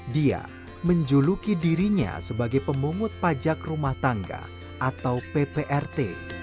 dia menjuluki dirinya sebagai pemungut pajak rumah tangga atau pprt